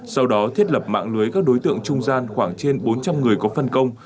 sau đó thiết lập mạng lưới các đối tượng trung gian khoảng trên bốn trăm linh người có phân công